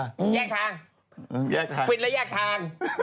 แยกทางฟิตแล้วแยกทาง